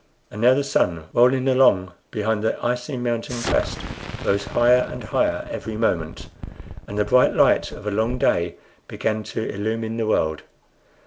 And now the sun, rolling along behind the icy mountain crest, rose higher and higher every moment, and the bright light of a long day began to illumine the world.